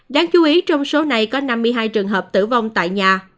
đáng chú ý trong số này có năm mươi hai trường hợp tử vong tại nhà